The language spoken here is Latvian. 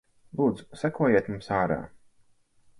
Lūdzu sekojiet mums ārā.